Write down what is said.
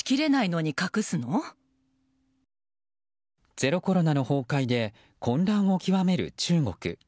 ゼロコロナの崩壊で混乱を極める中国。